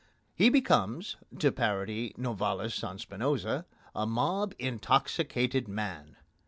He becomes, to parody Novalis on Spinoza, a mob intoxicated man.